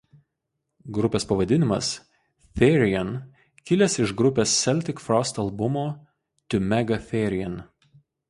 Grupės pavadinimas Therion kilęs iš grupės Celtic Frost albumo "To Mega Therion".